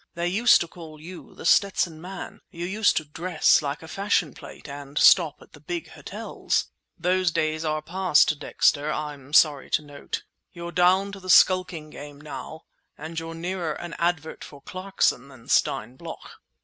They used to call you The Stetson Man, you used to dress like a fashion plate and stop at the big hotels. Those days are past, Dexter, I'm sorry to note. You're down to the skulking game now and you're nearer an advert for Clarkson than Stein Bloch!"